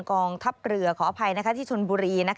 กองทัพเรือขออภัยที่ชนบุรี